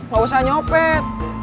gak usah nyopet